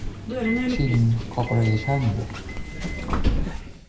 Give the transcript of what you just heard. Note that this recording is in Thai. ชิน คอร์ปอเรชั่น